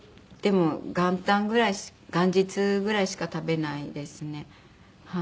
でも元旦ぐらい元日ぐらいしか食べないですね。